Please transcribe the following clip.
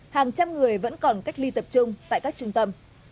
hàng trăm người vẫn còn cách ly tập trung tại các trung tâm